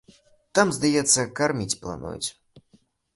Там, здаецца, карміць плануюць.